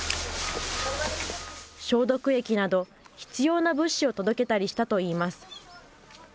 消毒液など必要な物資を届けたりしたといいます。